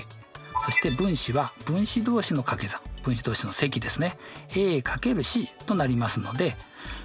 そして分子は分子同士のかけ算分子同士の積ですね。